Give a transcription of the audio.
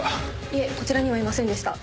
いえこちらにはいませんでした。